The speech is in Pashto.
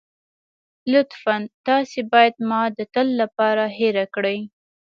لطفاً تاسو بايد ما د تل لپاره هېره کړئ.